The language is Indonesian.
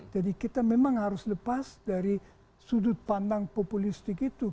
jadi kita memang harus lepas dari sudut pandang populistik itu